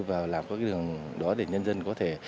và làm các đường đó để nhân dân có thể